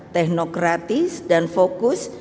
teknokratis dan fokus